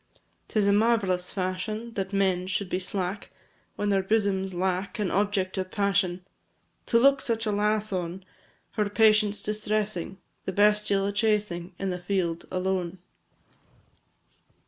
'Tis a marvellous fashion That men should be slack, When their bosoms lack An object of passion, To look such a lass on, Her patience distressing, The bestial a chasing, In the field, alone.